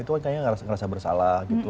itu kan kayaknya ngerasa bersalah gitu